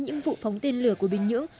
và những vụ phóng tên lửa của bình nhưỡng